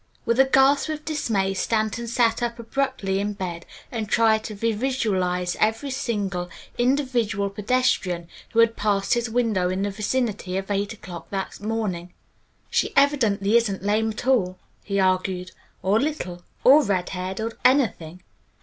With a gasp of dismay Stanton sat up abruptly in bed and tried to revisualize every single, individual pedestrian who had passed his window in the vicinity of eight o'clock that morning. "She evidently isn't lame at all," he argued, "or little, or red haired, or anything.